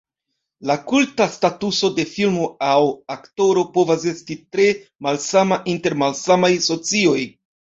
La kulta statuso de filmo aŭ aktoro povas esti tre malsama inter malsamaj socioj.